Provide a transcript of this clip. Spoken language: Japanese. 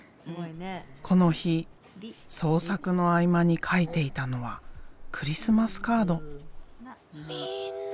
この日創作の合間に書いていたのはクリスマスカード。